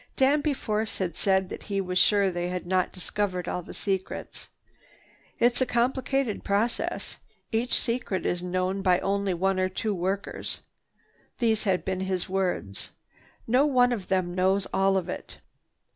Danby Force had said that he was sure they had not discovered all the secrets. "It's a complicated process. Each secret is known by only one or two workers." These had been his words. "No one of them knows all of it."